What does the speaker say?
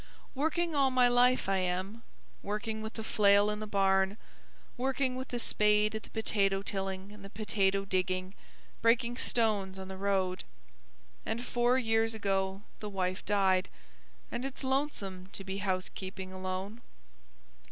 Working all my life I am, working with the flail in the barn, working with the spade at the potato tilling and the potato digging, breaking stones on the road. And four years ago the wife died, and it's lonesome to be housekeeping alone.